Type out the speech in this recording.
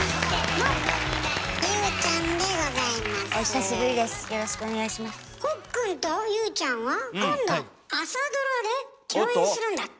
ほっくんとＹＯＵちゃんは今度朝ドラで共演するんだって？